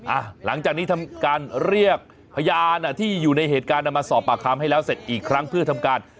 หลังจากนี้ทำการเรียกพยานอ่ะที่อยู่ในเหตุการณ์มาสอบปากคำให้แล้วเสร็จอีกครั้งเพื่อทำการ